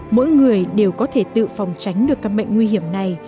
mỗi người đều có thể tự phòng tránh được các bệnh nguy hiểm này